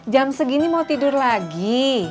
jam segini mau tidur lagi